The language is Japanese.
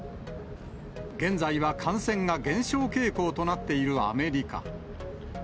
現在は感染が減少傾向となっているアメリカ。